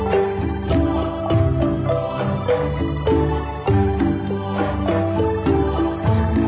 ที่สุดท้ายที่สุดท้ายที่สุดท้าย